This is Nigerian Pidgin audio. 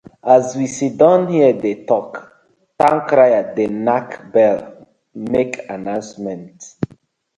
As we siddon here dey tok, towncrier dey nack bell mak annoucement.